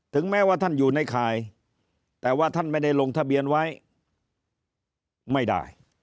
แม้ว่าท่านอยู่ในข่ายแต่ว่าท่านไม่ได้ลงทะเบียนไว้ไม่ได้